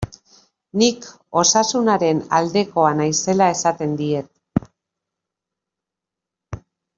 Nik Osasunaren aldekoa naizela esaten diet.